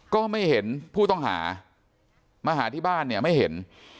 ก็ไม่เห็นผู้ต้องหามาหาที่บ้านเนี่ยไม่เห็น